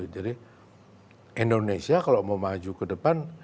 jadi indonesia kalau mau maju ke depan